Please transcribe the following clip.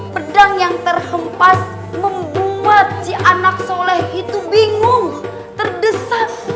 pedang yang terhempas membuat si anak soleh itu bingung terdesak